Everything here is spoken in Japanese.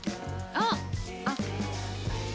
あっ。